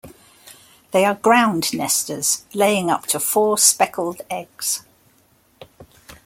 They are ground nesters, laying up to four speckled eggs.